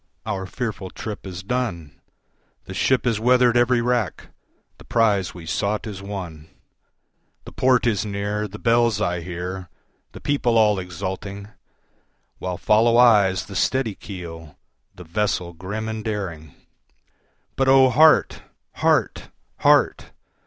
our fearful trip is done, The ship has weather'd every rack, the prize we sought is won, The port is near, the bells I hear, the people all exulting, While follow eyes the steady keel, the vessel grim and daring; But O heart! heart! heart!